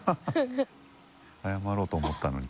謝ろうと思ったのに。